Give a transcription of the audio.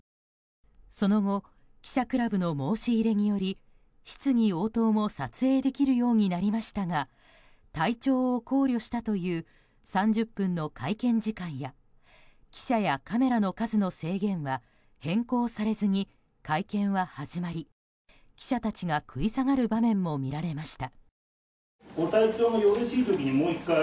その後記者クラブの申し入れにより質疑応答も撮影できるようになりましたが体調を考慮したという３０分の会見時間や記者やカメラの数の制限は変更されずに会見は始まり、記者たちが食い下がる場面も見られました。